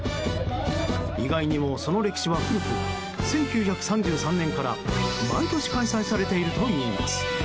意外にもその歴史は古く１９３３年から毎年開催されているといいます。